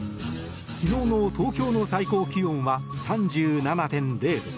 昨日の東京の最高気温は３７．０度。